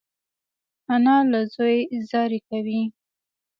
انا له زوی زاری کوي